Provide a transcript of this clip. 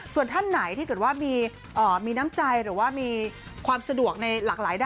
ส่วนท่านไหนถ้าเกิดว่ามีน้ำใจหรือว่ามีความสะดวกในหลากหลายด้าน